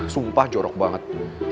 sumpah jorok banget